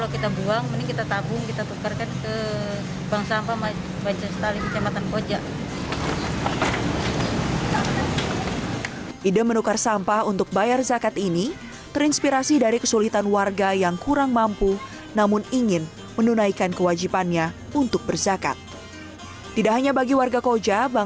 kan kita nabung di rumah kan mubazir kalau kita buang mending kita tabung kita tukarkan ke bank sampah majelis taklim kecamatan koja